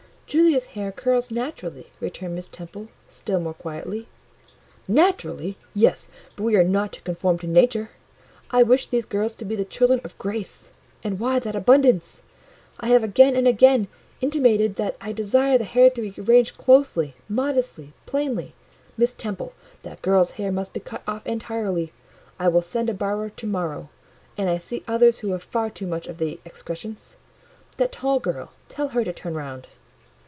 "Julia's hair curls naturally," returned Miss Temple, still more quietly. "Naturally! Yes, but we are not to conform to nature; I wish these girls to be the children of Grace: and why that abundance? I have again and again intimated that I desire the hair to be arranged closely, modestly, plainly. Miss Temple, that girl's hair must be cut off entirely; I will send a barber to morrow: and I see others who have far too much of the excrescence—that tall girl, tell her to turn round.